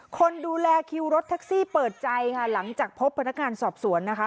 คนดูแลคิวรถแท็กซี่เปิดใจค่ะหลังจากพบพนักงานสอบสวนนะคะ